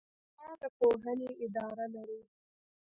کاناډا د پوهنې اداره لري.